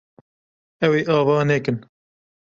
Ew ê ava nekin.